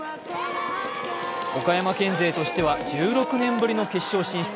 岡山県勢としては１６年ぶりの決勝進出。